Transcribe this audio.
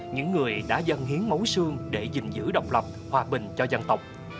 những người đã dân hiến máu xương để gìn giữ độc lập hòa bình cho dân tộc